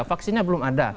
vaksinnya belum ada